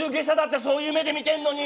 そういう目で見てるのに。